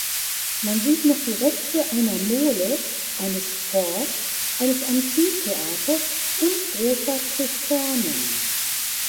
Man sieht noch die Reste einer Mole, eines Forts, eines Amphitheaters und großer Zisternen.